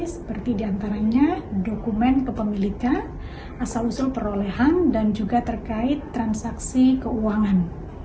seperti diantaranya dokumen kepemilikan asal usul perolehan dan juga terkait transaksi keuangan